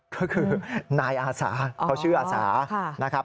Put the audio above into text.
ก็คือนายอาสาเขาชื่ออาสานะครับ